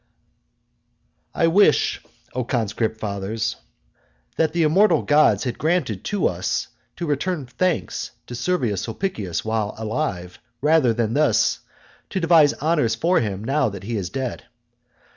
I. I wish, O conscript fathers, that the immortal gods had granted to us to return thanks to Servius Sulpicius while alive, rather than thus to devise honours for him now that he is dead.